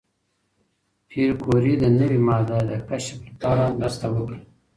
پېیر کوري د نوې ماده د کشف لپاره مرسته وکړه.